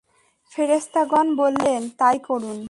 ফেরেশতাগণ বললেন, তাই করুন।